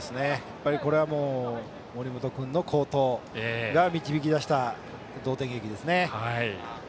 これは森本君の好投が導き出した同点劇ですね。